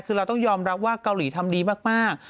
คือเราต้องยอมรับว่าเกาหลีทำดีมาก